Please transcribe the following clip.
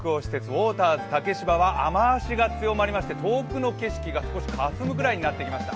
ウォーターズ竹芝は雨足が強まりまして遠くの景色が少しかすむぐらいになってきました。